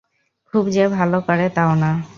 খুব যে ভালো করে তাও না।